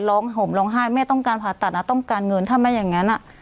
ห่มร้องไห้แม่ต้องการผ่าตัดต้องการเงินถ้าไม่อย่างนั้น